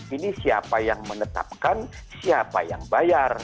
ini siapa yang menetapkan siapa yang bayar